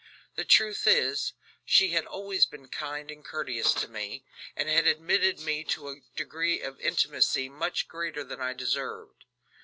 The truth is, she had always been kind and courteous to me, and had admitted me to a degree of intimacy much greater than I deserved.